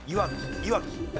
いわき。